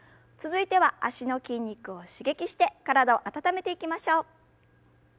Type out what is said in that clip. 続いては脚の筋肉を刺激して体を温めていきましょう。